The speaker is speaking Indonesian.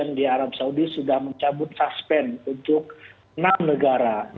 yang di arab saudi sudah mencabut suspend untuk enam negara